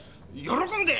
喜んで。